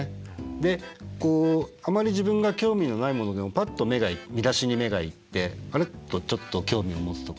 であまり自分が興味のないものでもぱっと見出しに目がいってあれっとちょっと興味を持つとか。